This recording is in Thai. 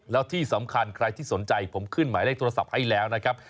แล้วที่สำคัญใครที่สนใจผมขึ้นหมายเลขโทรศัพท์ให้แล้วนะครับ